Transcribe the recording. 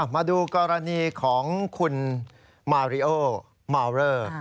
มาดูกรณีของคุณมาริโอมาวเรอ